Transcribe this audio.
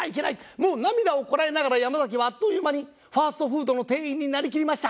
もう涙をこらえながら山崎はあっという間にファストフードの店員になりきりました。